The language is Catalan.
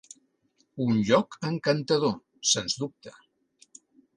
Un lloc encantador, sens dubte.